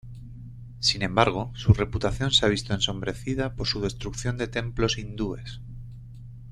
Sin embargo, su reputación se ha visto ensombrecida por su destrucción de templos hindúes.